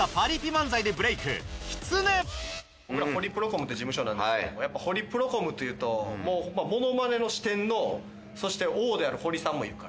僕らホリプロコムって事務所なんですけどもやっぱホリプロコムというともうホンマものまねの四天王そして王であるホリさんもいるから。